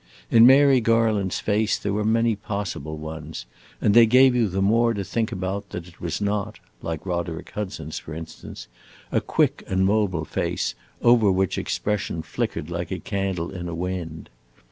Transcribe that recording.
In Mary Garland's face there were many possible ones, and they gave you the more to think about that it was not like Roderick Hudson's, for instance a quick and mobile face, over which expression flickered like a candle in a wind.